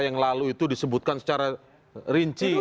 yang lalu itu disebutkan secara rinci